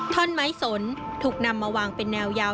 ท่อนไม้สนถูกนำมาวางเป็นแนวยาว